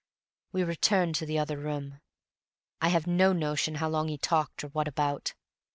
We returned to the other room. I have no notion how long he talked, or what about.